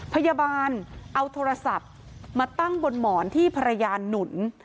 พยาบาลเอาโทรศัพท์มาตั้งบนหมอนที่ภรรยาหนุน